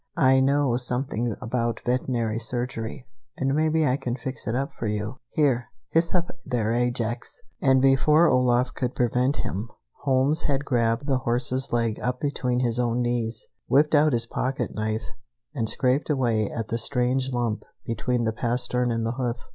"I know something about veterinary surgery, and maybe I can fix it up for you. Here, h'ist up there, Ajax!" And before Olaf could prevent him Holmes had grabbed the horse's leg up between his own knees, whipped out his pocket knife, and scraped away at the strange lump between the pastern and the hoof.